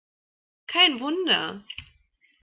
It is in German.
Kein Wunder!